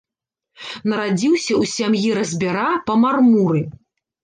Нарадзіўся ў сям'і разьбяра па мармуры.